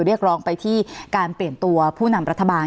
เรียกร้องไปที่การเปลี่ยนตัวผู้นำรัฐบาล